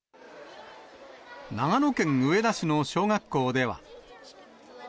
長野県上田市の小学校では。